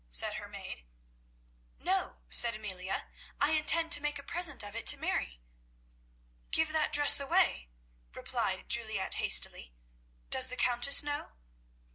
said her maid. "No," said Amelia, "I intend to make a present of it to Mary." "Give that dress away!" replied Juliette hastily. "Does the Countess know?"